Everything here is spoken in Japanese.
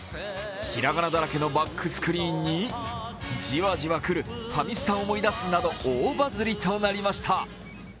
平仮名だらけのバックスクリーンに、じわじわくる、ファミスタ思い出すなどと大バズりとなりました。